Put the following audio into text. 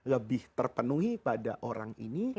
lebih terpenuhi pada orang ini